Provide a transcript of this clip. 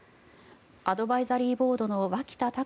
アドバイザリーボードの脇田隆